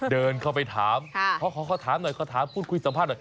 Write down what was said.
เดินไปถามขอถามหน่อยคุยสัมภาษณ์หน่อย